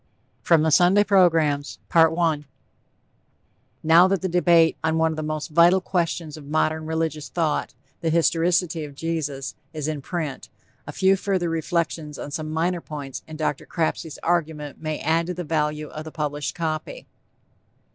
FROM THE SUNDAY PROGRAMS I Now that the debate on one of the most vital questions of modern religious thought The Historicity of Jesus is in print, a few further reflections on some minor points in Dr. Crapsey's argument may add to the value of the published copy.